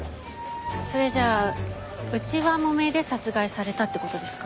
それじゃあ内輪もめで殺害されたって事ですか？